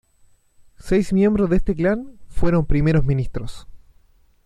Seis miembros de este clan fueron Primeros Ministros.